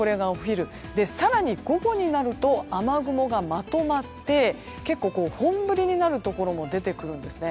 更に午後になると雨雲がまとまって結構、本降りになるところも出てきます。